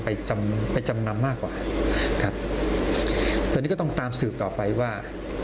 ไปจำไปจำนำมากกว่าครับตอนนี้ก็ต้องตามสืบต่อไปว่า